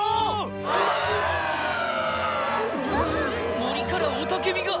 森から雄たけびが！